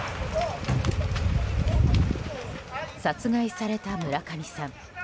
殺害された村上さん。